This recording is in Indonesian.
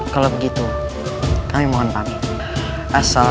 dan saya juga seorang pengembara